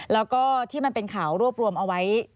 แล้วก็ที่มันเป็นข่าวรวบรวมเอาไว้